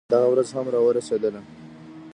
دغه ورځ هم راورسېدله.